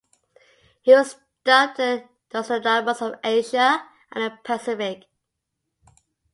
He was dubbed the Nostradamus of Asia and the Pacific.